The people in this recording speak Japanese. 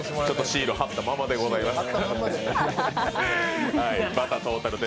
シール貼ったままでございます。